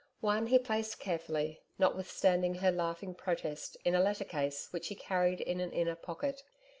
One he placed carefully, notwithstanding her laughing protest, in a letter case which he carried in an inner pocket.